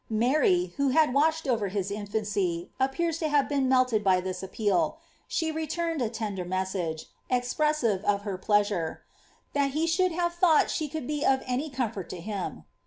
Mary, who had watched over his infancy, appears to have been melted by this appeal ; she returned a tender message, ex pressive of her pleasure, ^' that he should have thought she could be of any comfort to him.'